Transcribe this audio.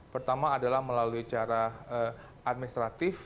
pertama adalah melalui cara administratif